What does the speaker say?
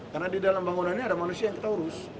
karena di dalam bangunan ini ada manusia yang kita urus